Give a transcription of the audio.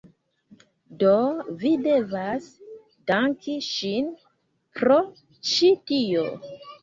Do, vi devas danki ŝin pro ĉi tio